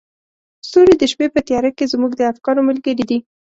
ستوري د شپې په تیاره کې زموږ د افکارو ملګري دي.